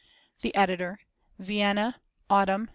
THE EDITOR. VIENNA, Autumn, 1919.